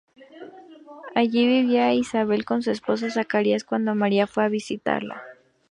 Allí vivía Isabel con su esposo Zacarías, cuando María fue a visitarla.